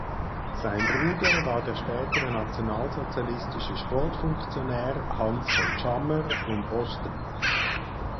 Sein Bruder war der spätere nationalsozialistische Sportfunktionär Hans von Tschammer und Osten.